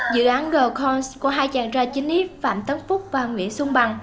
dự án girl cons của hai chàng trai chính yếp phạm tấn phúc và nguyễn xuân bằng